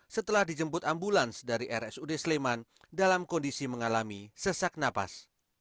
setelah dijemput ambulans dari rsud sleman dalam kondisi mengalami sesak napas